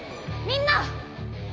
みんな！